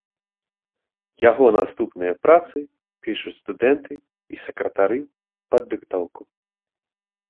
Яго наступныя працы пішуць студэнты і сакратары пад дыктоўку.